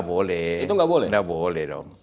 oh tidak boleh